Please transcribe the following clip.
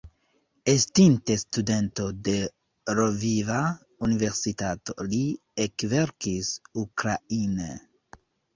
Estinte studento de Lviva Universitato li ekverkis ukraine.